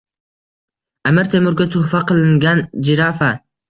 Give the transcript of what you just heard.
Amir Temurga tuhfa qilingan jirafa